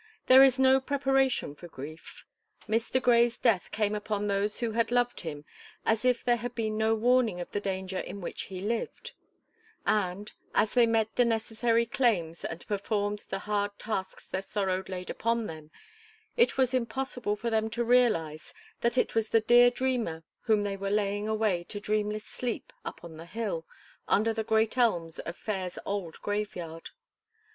There is no preparation for grief; Mr. Grey's death came upon those who had loved him as if there had been no warning of the danger in which he lived, and, as they met the necessary claims and performed the hard tasks their sorrow laid upon them, it was impossible for them to realize that it was the dear dreamer whom they were laying away to dreamless sleep up on the hill, under the great elms of Fayre's old graveyard.